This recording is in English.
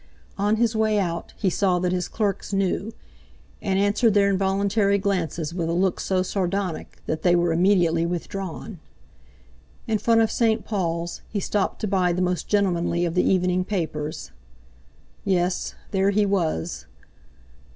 On his way out he saw that his clerks knew, and answered their involuntary glances with a look so sardonic that they were immediately withdrawn. In front of St. Paul's, he stopped to buy the most gentlemanly of the evening papers. Yes! there he was!